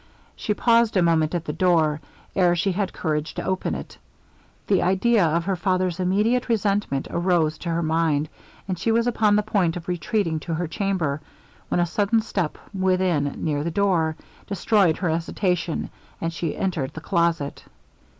She paused a moment at the door, 'ere she had courage to open it; the idea of her father's immediate resentment arose to her mind, and she was upon the point of retreating to her chamber, when a sudden step within, near the door, destroyed her hesitation, and she entered the closet.